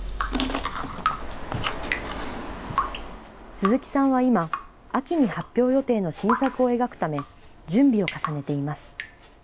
鈴木さんは今、秋に発表予定の新作を描くため、準備を重ねています。